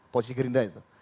posisi gerindra itu